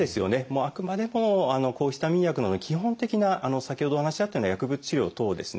あくまでも抗ヒスタミン薬の基本的な先ほどお話にあったような薬物治療等をですね